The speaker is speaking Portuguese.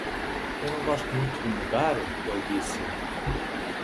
"Eu não gosto muito de mudar?" ele disse.